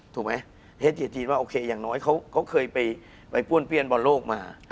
ถูกไหมเฮสเจจีนว่าโอเคอย่างน้อยเขาเคยไปป้วนเปี้ยนบอลโลกมา